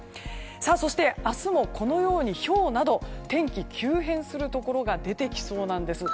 そして、明日もこのようにひょうなど天気急変するところが出てきそうなんです。